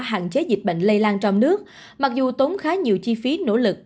hạn chế dịch bệnh lây lan trong nước mặc dù tốn khá nhiều chi phí nỗ lực